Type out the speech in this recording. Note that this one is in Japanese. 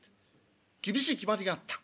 厳しい決まりがあった。